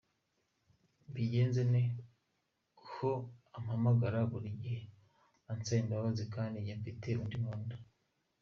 Mbigenze nte, ko ampamagara buri gihe ansabimbabazi kandi njye mfite undi nkunda.